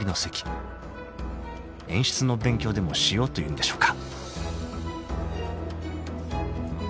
［演出の勉強でもしようというんでしょうか］